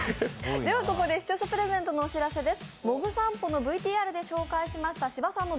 では、ここで視聴者プレゼントのお知らせです。